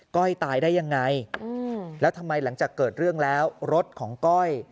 ้อยตายได้ยังไงแล้วทำไมหลังจากเกิดเรื่องแล้วรถของก้อย